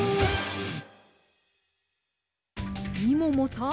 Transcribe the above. みももさん。